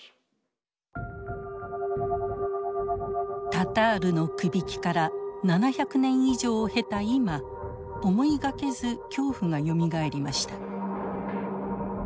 「タタールのくびき」から７００年以上を経た今思いがけず恐怖がよみがえりました。